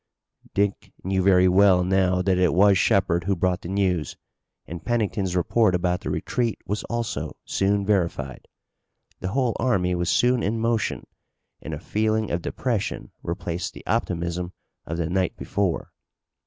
Dick knew very well now that it was Shepard who brought the news, and Pennington's report about the retreat was also soon verified. The whole army was soon in motion and a feeling of depression replaced the optimism of the night before.